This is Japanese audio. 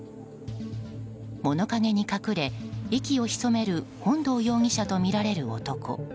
物陰に隠れ、息をひそめる本堂容疑者とみられる男。